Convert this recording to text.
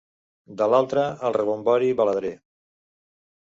...de l'altra, el rebombori baladrer.